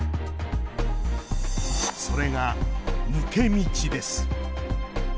それが、抜け道です